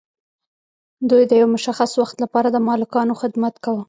دوی د یو مشخص وخت لپاره د مالکانو خدمت کاوه.